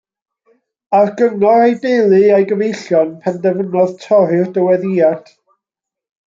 Ar gyngor ei deulu a'i gyfeillion penderfynodd torri'r dyweddïad.